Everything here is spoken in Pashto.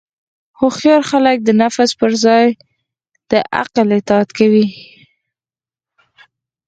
هوښیار خلک د نفس پر ځای د عقل اطاعت کوي.